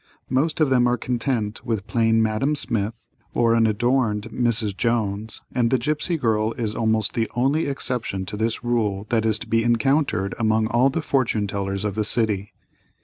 Most of them are content with plain "Madame" Smith, or unadorned "Mrs." Jones, and "The Gipsy Girl" is almost the only exception to this rule that is to be encountered among all the fortune tellers of the city.